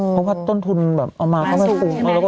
เพราะว่าต้นทุนเอามาเข้ามาไม่คุ้ม